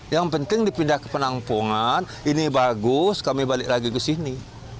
yang penting dipindah ke penampungan ini bagus kami balik lagi ke sini